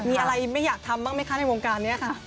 มีอะไรไม่อยากทำบ้างไหมคะในวงการนี้ค่ะ